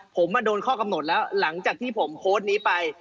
ผมมาโดนข้อกำหนดแล้วหลังจากที่ผมโพสต์นี้ไป